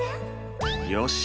よし！